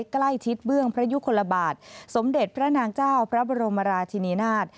ใกล้ชิดเบื้องพระยุคลบาทสมเด็จพระนางเจ้าพระบรมราชินีนาฏ